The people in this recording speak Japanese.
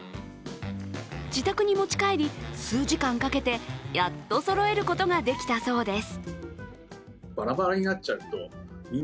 自宅に持ち帰り、数時間かけてやっとそろえることができたそうです。